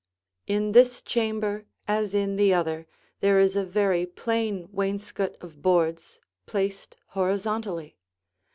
In this chamber, as in the other, there is a very plain wainscot of boards placed horizontally.